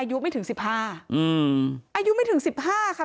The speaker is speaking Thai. อายุไม่ถึงสิบห้าอืมอายุไม่ถึงสิบห้าค่ะ